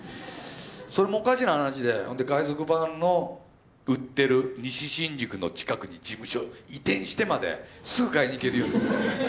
それもおかしな話でそれで海賊版の売ってる西新宿の近くに事務所移転してまですぐ買いに行けるように。